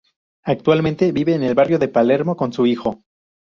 Actualmente vive en el barrio de Palermo con su hijo.